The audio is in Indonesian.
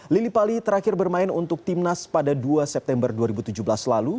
lillipali terakhir bermain untuk timnas pada dua september dua ribu tujuh belas lalu